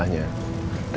temanya ayah dan anak